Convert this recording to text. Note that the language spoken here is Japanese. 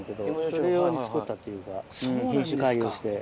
それ用に作ったっていうか品種改良して。